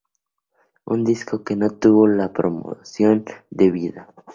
Moonlight" un disco que no tuvo la promoción debida.